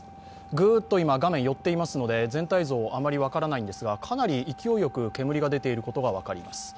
ぐっと今、画面、寄ってますので全体像、あまり分からないですがかなり勢いよく煙が出ていることが分かります。